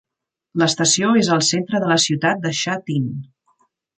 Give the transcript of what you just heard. L'estació és al centre de la ciutat de Sha Tin.